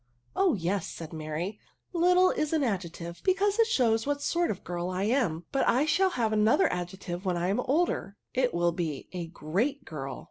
"Oh yes," said Mary, " little is ^ ad« jective, because it shows what sort of a girl If ADJECTIVES. 29 I am ; but I shall have another adjective when I am older ; it will be a great girl.